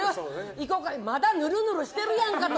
いこか言うてまだぬるぬるしてるやんかと。